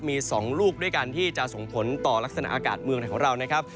มี๒ลูกด้วยกันที่จะส่งผลต่อลักษณะอากาศเมืองไหนของเรานะครับ